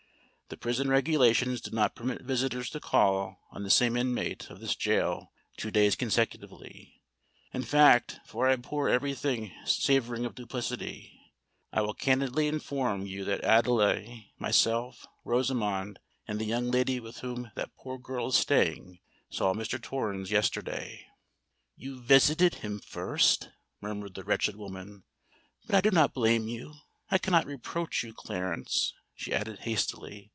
"The prison regulations do not permit visitors to call on the same inmate of this gaol two days consecutively. In fact—for I abhor every thing savouring of duplicity—I will candidly inform you that Adelais, myself, Rosamond, and the young lady with whom that poor girl is staying, saw Mr. Torrens yesterday." "You visited him first!" murmured the wretched woman. "But I do not blame you—I cannot reproach you, Clarence," she added hastily.